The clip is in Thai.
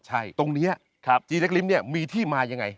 ใช่ตรงเนี่ยจีตกริมเนี่ยมีที่มายังไง